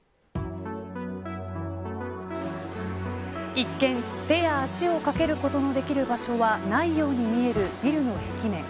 一見、手や足を掛けることのできる場所はないように見えるビルの壁面。